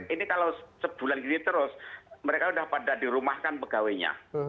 ini kalau sebulan gini terus mereka sudah pada dirumahkan pegawainya